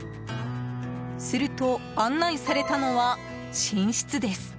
すると、案内されたのは寝室です。